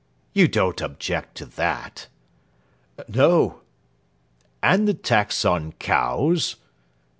You don't object to that?" "No." "And the tax on cows?"